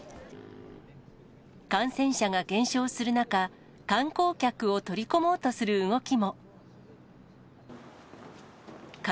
感染者が減少する中、観光客を取り込もうとする動きも。